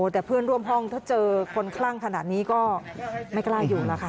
แต่เพื่อนร่วมห้องถ้าเจอคนคลั่งขนาดนี้ก็ไม่กล้าอยู่แล้วค่ะ